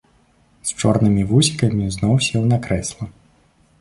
З чорнымі вусікамі зноў сеў на крэсла.